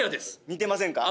似てませんか？